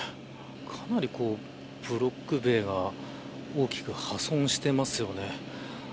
かなりブロック塀が大きく破損してますよね。